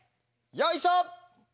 よいしょ！